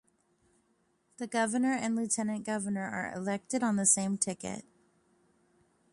The governor and lieutenant governor are elected on the same ticket.